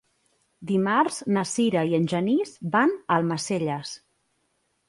Dimarts na Sira i en Genís van a Almacelles.